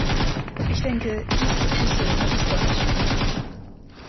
Ich denke, diese Diskussion hat dies deutlich gezeigt.